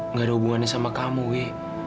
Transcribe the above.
nggak ada hubungannya sama kamu yuk